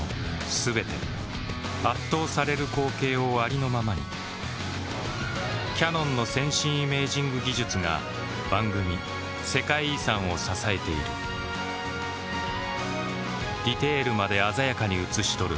全て圧倒される光景をありのままにキヤノンの先進イメージング技術が番組「世界遺産」を支えているディテールまで鮮やかに映し撮る